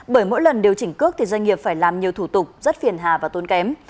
bởi mỗi lần điều chỉnh cước thì doanh nghiệp phải làm nhiều thủ tục rất phiền hà và tốn kém